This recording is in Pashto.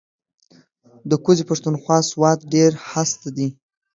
ده کوزی پښتونخوا سوات ډیر هائسته دې